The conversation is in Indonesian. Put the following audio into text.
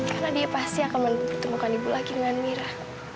karena dia pasti akan menemukan ibu lagi dengan mira